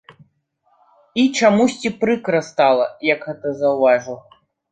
І чамусьці прыкра стала, як гэта заўважыў.